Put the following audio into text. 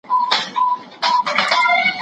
سوله د پرمختګ اساس دی.